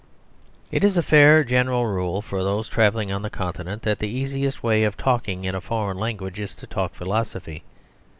..... It is a fair general rule for those travelling on the Continent that the easiest way of talking in a foreign language is to talk philosophy.